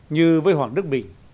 như với hoàng đức bình